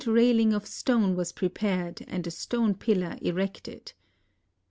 railing of stone was prepared, and a stone pillar erected.